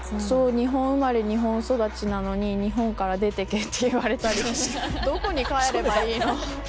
日本生まれ日本育ちなのに日本から出てけって言われたりどこに帰ればいいの？